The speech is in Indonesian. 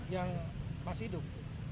yang masih hidup